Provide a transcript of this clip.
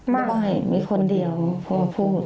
ไม่มีคนเดียวพ่อพูด